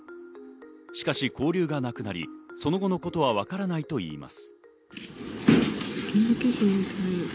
しかし、交流がなくなり、その後のことはわからないといいます。